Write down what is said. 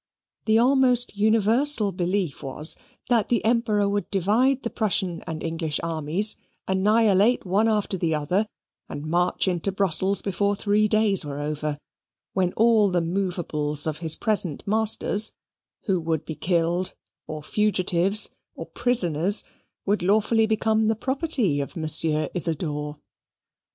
The almost universal belief was, that the Emperor would divide the Prussian and English armies, annihilate one after the other, and march into Brussels before three days were over: when all the movables of his present masters, who would be killed, or fugitives, or prisoners, would lawfully become the property of Monsieur Isidor.